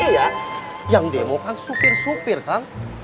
iya yang demo kan supir supir kan